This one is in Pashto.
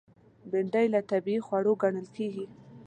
بېنډۍ له طبیعي خوړو ګڼل کېږي